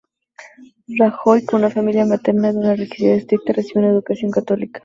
Rajoy, con una familia materna de una religiosidad estricta, recibió una educación católica.